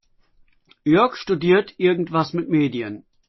Jörg studiert irgendwas mit Medien.